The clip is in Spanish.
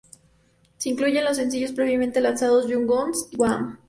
Se incluyen los sencillos previamente lanzados "Young Guns", "Wham!